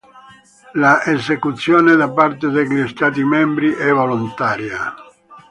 L'esecuzione da parte degli stati membri è volontaria.